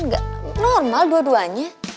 nggak normal dua duanya